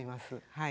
はい。